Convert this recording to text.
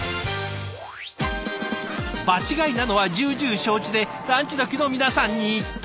場違いなのは重々承知でランチどきの皆さんに突撃。